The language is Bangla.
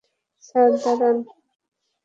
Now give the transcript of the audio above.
স্যার, দাঁড়ান।